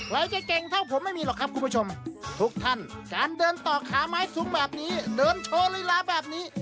เราจะเก่งเท่าผมไม่มีหรอกครับคุณผู้ชมทุกท่านการเดินต่อขาไม้สูงแบบนี้เดินโชว์ลีลาแบบนี้